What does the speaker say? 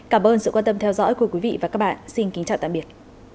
cảm ơn sự quan tâm theo dõi của quý vị và các bạn xin kính chào tạm biệt